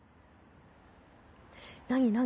何、何。